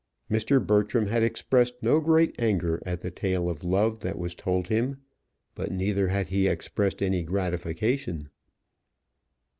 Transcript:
Mr. Bertram had expressed no great anger at the tale of love that was told him; but neither had he expressed any gratification.